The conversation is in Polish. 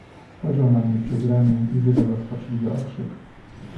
"Spojrzał na mnie przez ramię i wydał rozpaczliwy okrzyk."